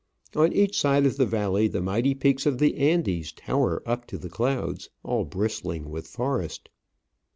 On each side of the valley the mighty peaks of the Andes tower up to the clouds, all bristling with forest.